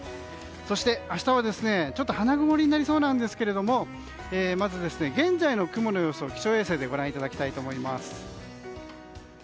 そして明日は花曇りになりそうなんですがまず、現在の雲の様子を気象衛星でご覧いただきたいと思います。